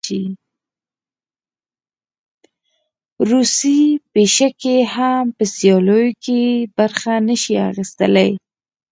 روسۍ پیشکې هم په سیالیو کې برخه نه شي اخیستلی.